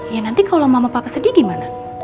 ya nanti kalau mama papa sendiri gimana